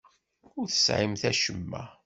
Ur tesɛimt acemma.